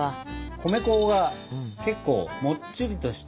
米粉が結構もっちりとした。